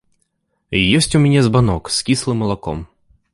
Ёсць у мяне збанок з кіслым малаком.